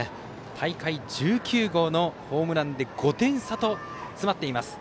大会１９号のホームランで５点差と詰まっています。